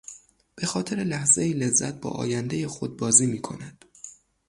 به خاطر لحظهای لذت با آیندهی خود بازی میکند.